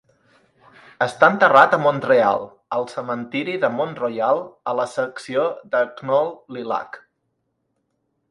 Està enterrat a Mont-real, al cementiri de Mount Royal, a la secció de Knoll Lilac.